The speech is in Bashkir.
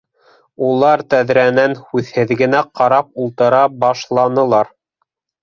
Улар тәҙрәнән һүҙһеҙ генә ҡарап ултыра башланылар.